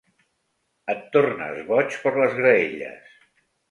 Et tornes boig per les graelles.